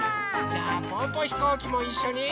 じゃあぽぅぽひこうきもいっしょに。